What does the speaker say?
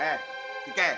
wah ya ampun